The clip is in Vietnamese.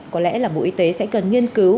có lẽ là bộ y tế sẽ cần nghiên cứu